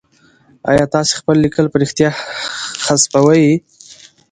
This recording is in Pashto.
آيا تاسي خپل ليکل په رښتيا حذفوئ ؟